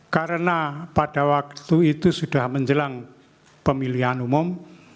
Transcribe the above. karena pada waktu itu sudah menjelang pemilihan umum